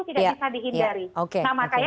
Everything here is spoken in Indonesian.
tidak bisa dihindari oke nah makanya